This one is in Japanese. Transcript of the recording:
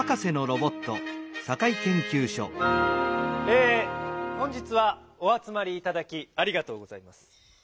え本日はおあつまりいただきありがとうございます。